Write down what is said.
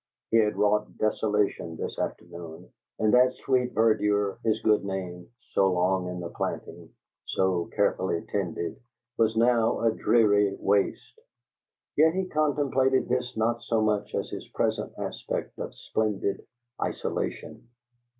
He had wrought desolation this afternoon, and that sweet verdure, his good name, so long in the planting, so carefully tended, was now a dreary waste; yet he contemplated this not so much as his present aspect of splendid isolation.